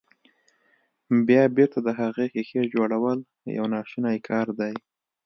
بيا بېرته د هغې ښيښې جوړول يو ناشونی کار دی.